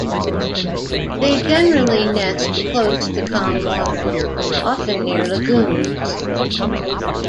They generally nest close to calm water, often near lagoons.